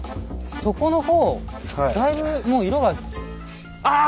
底の方だいぶもう色が。ああ！